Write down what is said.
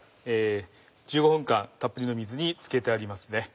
１５分間たっぷりの水に漬けてありますね。